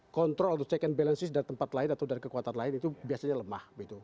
kontrol atau check and balances dari tempat lain atau dari kekuatan lain itu biasanya lemah